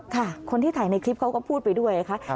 คนที่ถ่ายในคลิปเขาก็พูดไปด้วยนะคะ